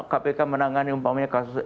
kpk menangani umpamanya kasus